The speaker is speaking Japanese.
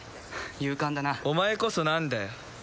勇敢だなお前こそ何だよ